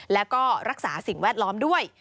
แล้วก็รักษาสิ่งแวดล้อมด้วย